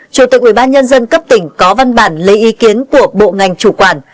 chủ tịch ubnd cấp tỉnh có văn bản lấy ý kiến của bộ ngành chủ quản